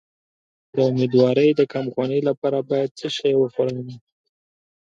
د امیدوارۍ د کمخونی لپاره باید څه شی وخورم؟